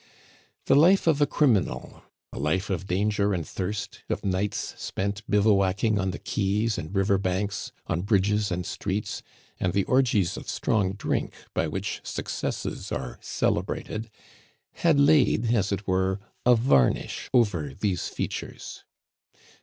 The life of a criminal a life of danger and thirst, of nights spent bivouacking on the quays and river banks, on bridges and streets, and the orgies of strong drink by which successes are celebrated had laid, as it were, a varnish over these features.